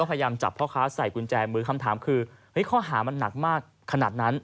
พยายามจับพ่อค้าใส่กุญแจมือคำถามคือข้อหามันหนักมากขนาดนั้น